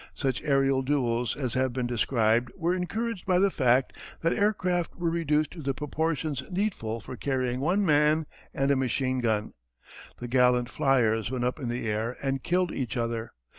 Such aërial duels as have been described were encouraged by the fact that aircraft were reduced to the proportions needful for carrying one man and a machine gun. The gallant flyers went up in the air and killed each other.